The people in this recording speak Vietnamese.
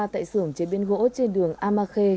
tại sưởng chế biến gỗ trên đường amakhe